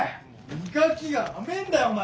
磨きが甘えんだよお前！